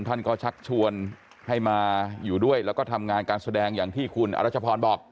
ท่านก็ชักชวนให้มาอยู่ด้วยแล้วก็ทำงานการแสดงอย่างที่คุณอรัชพรบอก